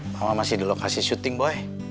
mama masih di lokasi syuting boy